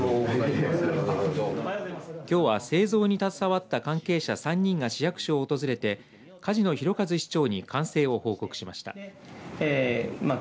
きょうは製造に携わった関係者３人が市役所を訪れて楫野弘和市長に完成を報告しました。